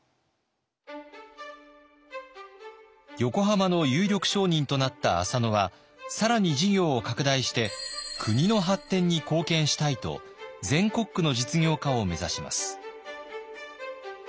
横浜の有力商人となった浅野は更に事業を拡大して国の発展に貢献したいと全国区の実業家を目指します。